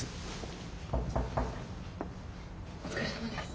お疲れさまです。